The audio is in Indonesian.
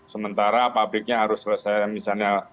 sementara pabriknya harus selesai misalnya